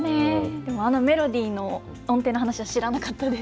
でも、あのメロディーの音程の話は知らなかったです。